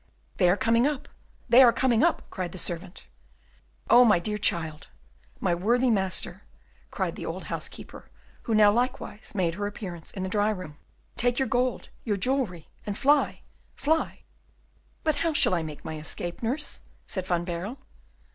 "They are coming up! they are coming up!" cried the servant. "Oh, my dear child, my worthy master!" cried the old housekeeper, who now likewise made her appearance in the dry room, "take your gold, your jewelry, and fly, fly!" "But how shall I make my escape, nurse?" said Van Baerle.